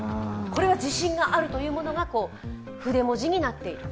これは自信があるというものが筆文字になっている。